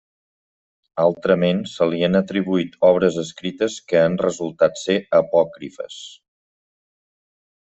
Altrament, se li han atribuït obres escrites que han resultat ser apòcrifes.